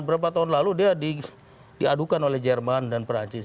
berapa tahun lalu dia diadukan oleh jerman dan perancis